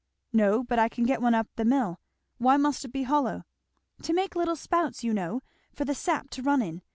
"No, but I can get one up the hill. Why must it be hollow?" "To make little spouts, you know, for the sap to run in.